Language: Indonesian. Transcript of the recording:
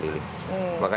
ini untuk apa